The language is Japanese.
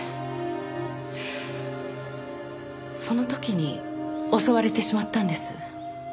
その時に襲われてしまったんです。